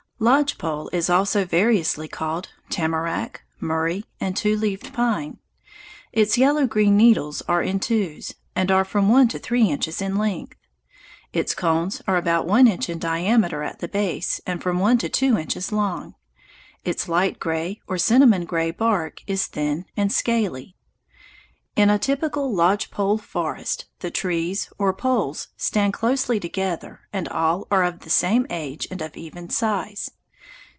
Lodge pole is also variously called Tamarack, Murray, and Two leaved Pine. Its yellow green needles are in twos, and are from one to three inches in length. Its cones are about one inch in diameter at the base and from one to two inches long. Its light gray or cinnamon gray bark is thin and scaly. In a typical lodge pole forest the trees, or poles, stand closely together and all are of the same age and of even size.